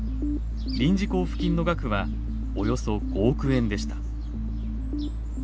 臨時交付金の額はおよそ５億円でした。